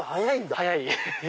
早い。